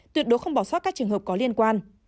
tuyệt đối không bỏ sót các trường hợp có liên quan